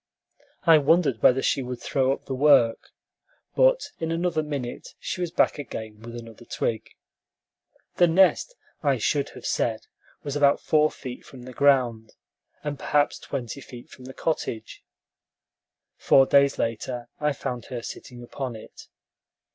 I wondered whether she would throw up the work, but in another minute she was back again with another twig. The nest, I should have said, was about four feet from the ground, and perhaps twenty feet from the cottage. Four days later, I found her sitting upon it.